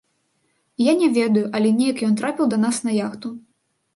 І я не ведаю, але неяк ён трапіў да нас на яхту.